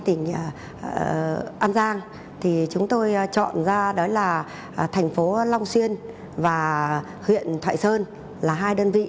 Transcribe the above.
tỉnh an giang thì chúng tôi chọn ra đó là thành phố long xuyên và huyện thoại sơn là hai đơn vị